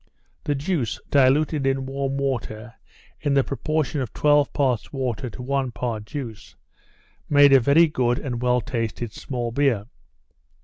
The juice, diluted in warm water, in the proportion of twelve parts water to one part juice, made a very good and well tasted small beer.